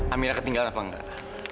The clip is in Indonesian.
amira ketinggalan apa enggak